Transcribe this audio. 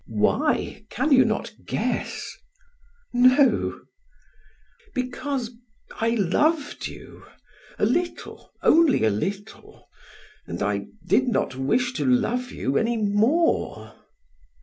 "Why? Can you not guess?" "No!" "Because I loved you; a little, only a little, and I did not wish to love you any more."